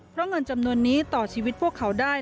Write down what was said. เพราะเงินจำนวนนี้ต่อชีวิตพวกเขาได้